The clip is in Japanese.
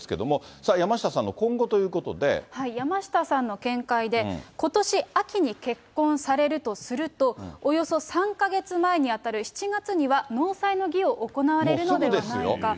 さあ、山下さん、山下さんの見解で、ことし秋に結婚されるとすると、およそ３か月前に当たる７月には納采の儀を行われるのではないかと。